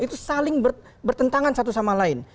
itu saling bertentangan satu sama lain